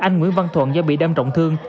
nguyễn văn thuận do bị đâm trọng thương